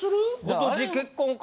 「今年結婚か！？」